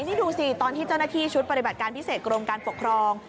นี่ดูสิตอนที่เจ้าหน้าที่ชุดปฏิบัติการพิเศษกรมการปกครอง